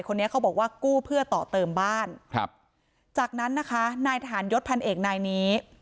คนนี้เขาบอกว่ากู้เพื่อต่อเติมบ้านครับจากนั้นนะคะนายทหารยศพันเอกนายนี้